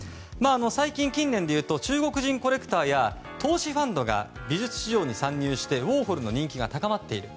最近だと中国人コレクターや投資ファンドが美術市場に参入してウォーホルの人気高まっている。